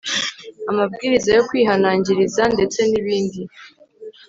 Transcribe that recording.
amabwiriza yo kwihanangiriza ndetse n ibindi